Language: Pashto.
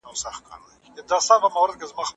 بیولوژي د ژوند پوهنې په نوم یادېږي.